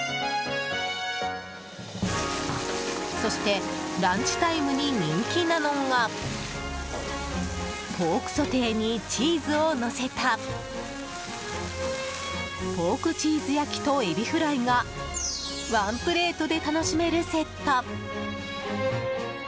そしてランチタイムに人気なのがポークソテーにチーズをのせたポークチーズ焼きとエビフライがワンプレートで楽しめるセット。